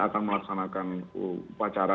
akan melaksanakan upacara